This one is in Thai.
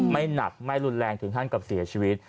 ไม่หนักไม่รุนแรงถึงขั้นกับเสียชีวิต